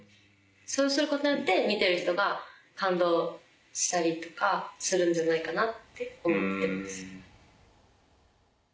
そうすることによって見てる人が感動したりとかするんじゃないかなって思ってます。